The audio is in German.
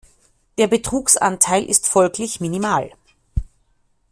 Der Betrugsanteil ist folglich minimal.